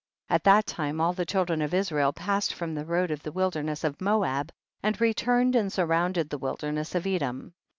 23. At that time all the children of Israel passed from tiie road of the wilderness of Moab, and returned and surrounded the wilderness of Edom.